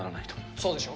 そうでしょ？